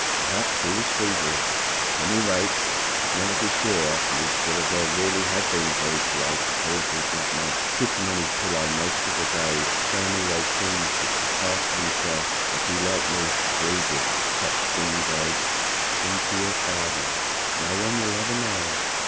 Perhaps he was feverish. At any rate he could never be sure afterwards whether there really had been a very polite and plausible black mole sitting on his pillow most of the day saying all those things which the part of himself that he liked least agreed with. Such things as "Think of your father. "No one will ever know.